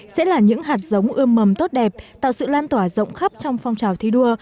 sẽ là những hạt giống ươm mầm tốt đẹp tạo sự lan tỏa rộng khắp trong phong trào thi đua